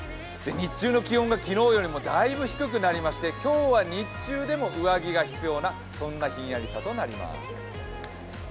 日中の気温が昨日よりもだいぶ低くなりまして今日は日中でも上着が必要なひんやりさとなります。